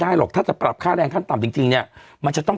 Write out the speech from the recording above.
หรอกถ้าจะปรับค่าแรงขั้นต่ำจริงจริงเนี่ยมันจะต้อง